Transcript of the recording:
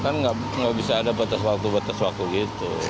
kan nggak bisa ada batas waktu batas waktu gitu